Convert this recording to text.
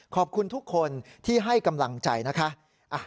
ขอบคุณทุกคนที่ให้กำลังใจนะคะ